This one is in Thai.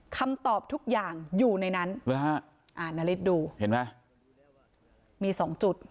คำตอบทุกอย่างอยู่ในนั้นหรือฮะอ่านาริสดูเห็นไหมมีสองจุด